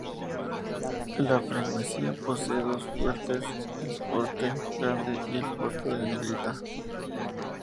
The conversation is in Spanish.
La freguesía posee dos fuertes, el "Forte Grande" y el "Forte da Negrita".